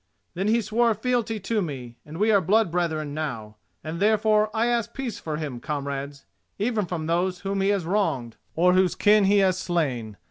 Then he swore fealty to me, and we are blood brethren now, and therefore I ask peace for him, comrades—even from those whom he has wronged or whose kin he has slain.